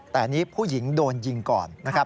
แต่นี่ผู้หญิงโดนยิงก่อน